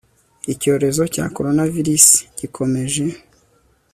Icyorezo cya coronavirus gikomeje